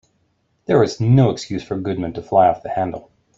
There was no excuse for Goodman to fly off the handle.